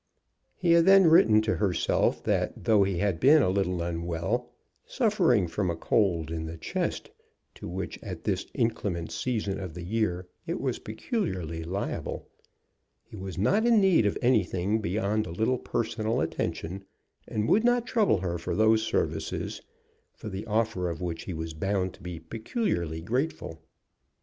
He had then written to herself that, though he had been a little unwell, "suffering from a cold in the chest, to which at this inclement season of the year it was peculiarly liable," he was not in need of anything beyond a little personal attention, and would not trouble her for those services, for the offer of which he was bound to be peculiarly grateful.